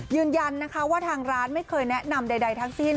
ยืนยันนะคะว่าทางร้านไม่เคยแนะนำใดทั้งสิ้น